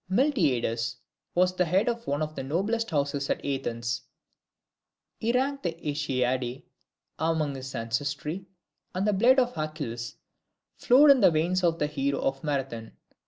Miltiades was the head of one of the noblest houses at Athens: he ranked the AEacidae among his ancestry, and the blood of Achilles flowed in the veins of the hero of Marathon.